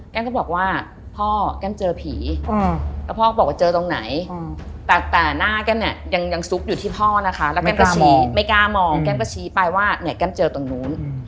ก็บอกว่าพ่อแกมเจอผีแล้วพ่อก็บอกว่าเจอตรงไหนแต่หน้าแก้มเนี่ยยังซุกอยู่ที่พ่อนะคะแล้วแกก็ชี้ไม่กล้ามองแก้มก็ชี้ไปว่าเนี่ยแก้มเจอตรงนู้น